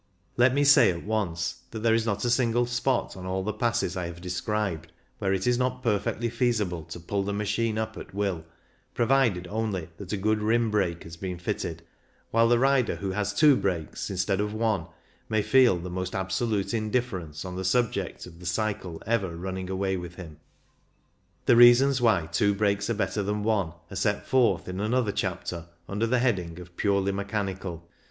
Let me say at once that there is not a single spot on all the passes I have de scribed where it is not perfectly feasible to pull the machine up at will, provided WHAT ARE THE RISKS? 191 only that a good rim brake has been fitted, while the rider who has two brakes instead of one may feel the most absolute indiffer ence on the subject of the cycle ever " running away " with him. The reasons why two brakes are better than one are set forth in another chapter, under the heading of" Purely Mechanical.